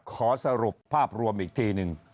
ขอสรุปภาพรวมอีกทีหนึ่ง